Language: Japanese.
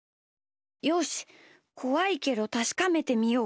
よしこわいけどたしかめてみよう。